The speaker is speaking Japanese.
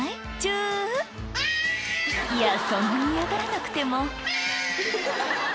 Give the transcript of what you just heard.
いやそんなに嫌がらなくてもアァ！